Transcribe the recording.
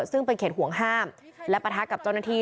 ซึ่งเป็นเขตห่วงห้ามและปะทะกับเจ้าหน้าที่